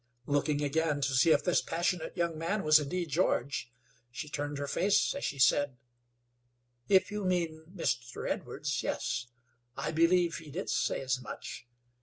Looking again to see if this passionate young man was indeed George, she turned her face as she said: "If you mean Mr. Edwards, yes; I believe he did say as much.